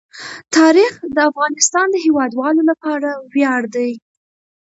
تاریخ د افغانستان د هیوادوالو لپاره ویاړ دی.